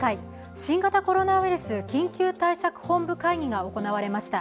新型コロナウイルス緊急対策本部会議が行われました。